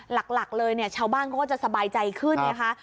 หลักเลยเนี่ยชาวบ้านเขาก็จะสบายใจขึ้นไงคะ